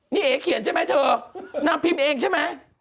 นี่เอ๋เขียนใช่ไหมเธอนางพิมพ์เองใช่ไหม